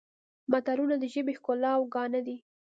متلونه د ژبې ښکلا او ګاڼه دي